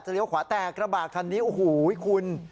เลี้ยขวาแต่กระบาดคันนี้โอ้โหคุณ